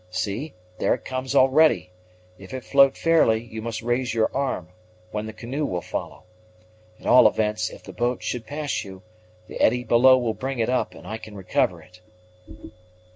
See, there it comes already; if it float fairly, you must raise your arm, when the canoe will follow. At all events, if the boat should pass you, the eddy below will bring it up, and I can recover it."